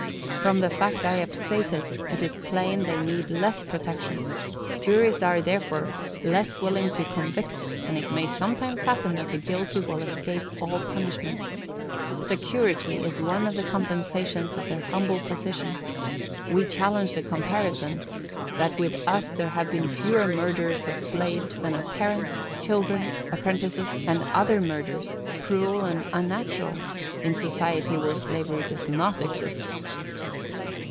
From the fact I have stated, it is plain they need less protection. Juries are, therefore, less willing to convict, and it may sometimes happen that the guilty will escape all punishment. Security is one of the compensations of their humble position. We challenge the comparison, that with us there have been fewer murders of slaves than of parents, children, apprentices, and other murders, cruel and unnatural, in society where slavery does not exist."